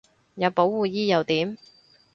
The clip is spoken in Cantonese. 有保護衣又點